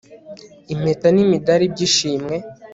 impeta n'imidari by'ishimwe